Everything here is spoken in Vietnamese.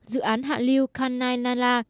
dự án hạ liêu khanai nala